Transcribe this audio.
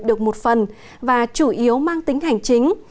được một phần và chủ yếu mang tính hành chính